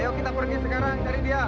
ayo kita pergi sekarang cari dia